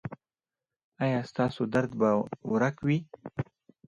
ایا ستاسو درد به ورک وي؟